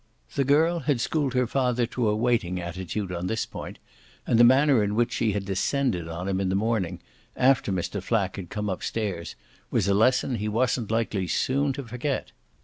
The girl had schooled her father to a waiting attitude on this point, and the manner in which she had descended on him in the morning, after Mr. Flack had come upstairs, was a lesson he wasn't likely soon to forget.